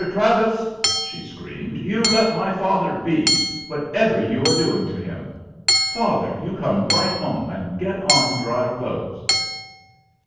Travis," she screamed, "you let my father be, whatever you are doing to him! Father, you come right home and get on dry clothes!"